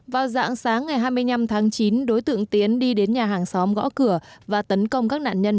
vào dạng sáng ngày hai mươi năm tháng chín đối tượng tiến đi đến nhà hàng xóm gõ cửa và tấn công các nạn nhân